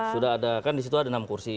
sudah ada kan di situ ada enam kursi